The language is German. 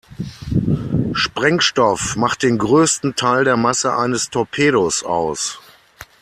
Sprengstoff macht den größten Teil der Masse eines Torpedos aus.